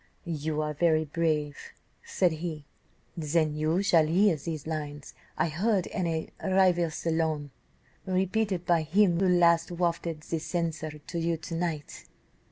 "'You are very brave,' said he, 'then you shall hear the lines I heard in a rival salon, repeated by him who last wafted the censer to you to night.